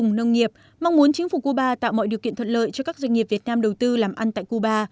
nông nghiệp mong muốn chính phủ cuba tạo mọi điều kiện thuận lợi cho các doanh nghiệp việt nam đầu tư làm ăn tại cuba